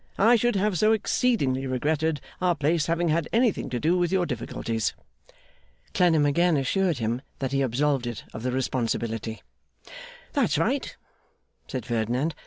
I should have so exceedingly regretted our place having had anything to do with your difficulties.' Clennam again assured him that he absolved it of the responsibility. 'That's right,' said Ferdinand.